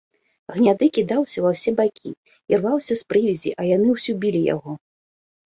Гняды кідаўся ва ўсе бакі, ірваўся з прывязі, а яны ўсё білі яго.